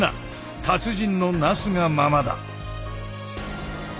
達人のなすがままだ。